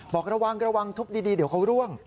บอกระวังระวังทุบดีเดี๋ยวเขาร่วง